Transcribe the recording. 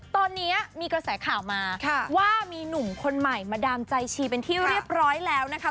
ตอนนี้มีกระแสข่าวมาว่ามีหนุ่มคนใหม่มาดามใจชีเป็นที่เรียบร้อยแล้วนะคะ